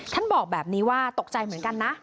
บอกแบบนี้ว่าตกใจเหมือนกันนะ